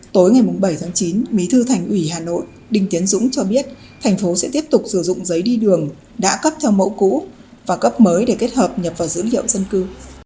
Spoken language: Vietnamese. tối ngày bảy tháng chín bí thư thành ủy hà nội đinh tiến dũng cho biết thành phố sẽ tiếp tục sử dụng giấy đi đường đã cấp theo mẫu cũ và cấp mới để kết hợp nhập vào dữ liệu dân cư